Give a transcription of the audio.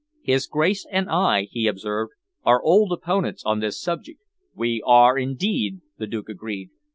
"His Grace and I," he observed, "are old opponents on this subject." "We are indeed," the Duke agreed.